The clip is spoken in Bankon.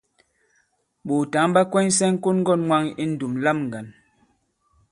Ɓòòtǎŋ ɓa kwɛnysɛ ŋ̀kon-ŋgɔ̂n mwaŋ i ndùm lam ŋgǎn.